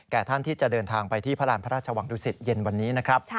ท่านที่จะเดินทางไปที่พระราณพระราชวังดุสิตเย็นวันนี้นะครับ